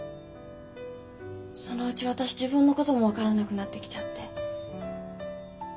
そのうち私自分のことも分からなくなってきちゃって。